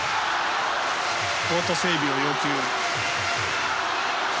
コート整備を要求。